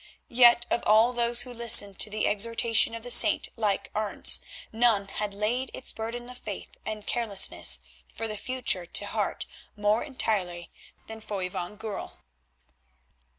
Yet of all those who listened to the exhortation of the saint like Arentz, none had laid its burden of faith and carelessness for the future to heart more entirely than Foy van Goorl.